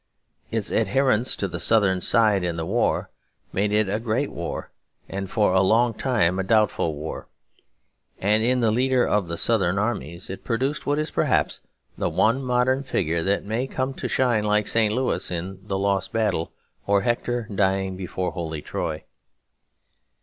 Its adherence to the Southern side in the war made it a great war, and for a long time a doubtful war. And in the leader of the Southern armies it produced what is perhaps the one modern figure that may come to shine like St. Louis in the lost battle, or Hector dying before holy Troy.